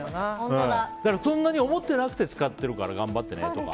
そんなに思ってなくて使ってるから、頑張ってねとか。